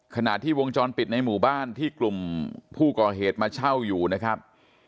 ขณะที่วงจรปิดในหมู่บ้านที่กลุ่มผู้ก่อเหตุมาเช่าอยู่นะครับ